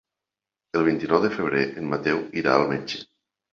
El vint-i-nou de febrer en Mateu irà al metge.